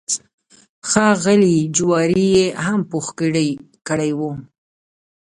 ښه غلي جواري یې هم پوخ کړی و.